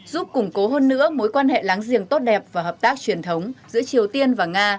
giúp củng cố hơn nữa mối quan hệ láng giềng tốt đẹp và hợp tác truyền thống giữa triều tiên và nga